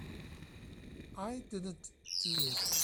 I didn't do it.